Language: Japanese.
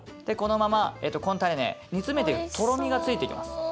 でこのままこのタレね煮詰めていくととろみがついていきます。